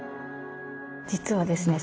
実はですね